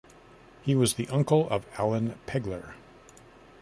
He was the uncle of Alan Pegler.